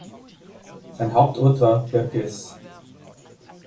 Sein Hauptort war Bergues.